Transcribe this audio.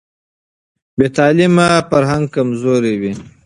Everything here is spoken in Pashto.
بې تعلیمه فرهنګ کمزوری وي.